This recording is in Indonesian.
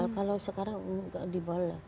kalau sekarang enggak boleh